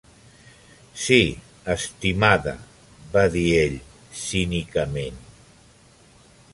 "Sí, estimada", va dir ell cínicament.